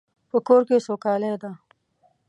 په کور کې سوکالی ده